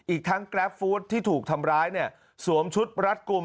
อีกทั้งแกรปฟู้ดที่ถูกทำร้ายสวมชุดรัฐกลุ่ม